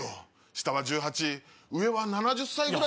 下は１８上は７０歳ぐらい。